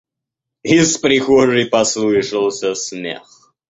Из прихожей послышался смех.